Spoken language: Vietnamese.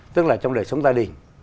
tức là trong đời sống gia đình